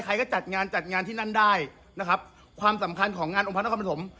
ใครก็จัดงานจัดงานที่นั่นได้นะครับความสำคัญของงานองพระนครปฐม